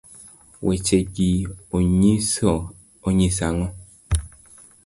weche gi onyiso ang'o?